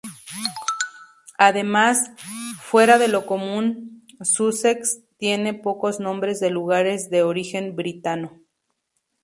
Además, fuera de lo común, Sussex tiene pocos nombres de lugares de origen britano.